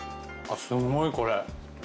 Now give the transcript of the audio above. すごいこれ。